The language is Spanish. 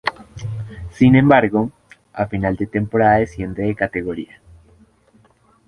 Sin embargo, a final de temporada desciende de categoría.